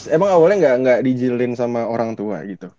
emang awalnya nggak dijilin sama orang tua gitu